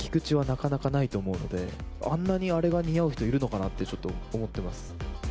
なかなかないと思うので、あんなにあれが似合う人いるのかなって、ちょっと思ってます。